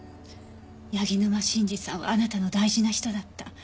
柳沼真治さんはあなたの大事な人だった。